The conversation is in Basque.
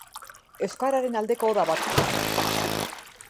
Euskararen aldeko oda bat da.